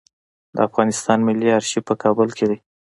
د افغانستان ملي آرشیف په کابل کې دی